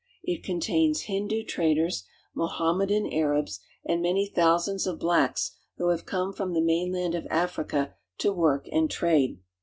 It contains Hindoo traders, Mohammedan Arabs, and many thousands of blaclts who have come from the mainland of Africa to work and trade.